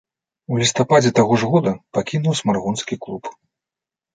У лістападзе таго ж года пакінуў смаргонскі клуб.